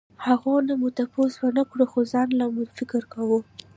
هغو نه مو تپوس ونکړو خو ځانله مې فکر کوو